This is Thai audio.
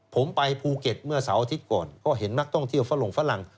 ผมไปภูเก็ตเมื่อเสาร์อาทิตย์ก่อนก็เห็นนักท่องเที่ยวฝรั่งฝรั่ง